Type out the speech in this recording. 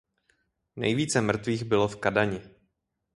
Nejvíce mrtvých bylo v Kadani.